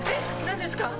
何ですか？